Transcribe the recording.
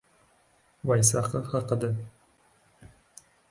vaysaqi haqida.